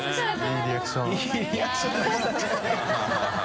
いいリアクションだな